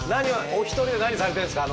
お一人で何されてるんですか？